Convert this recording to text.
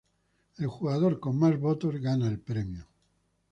El jugador con más votos gana el premio.